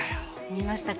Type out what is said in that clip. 見ましたか。